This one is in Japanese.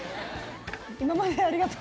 今までありがとう。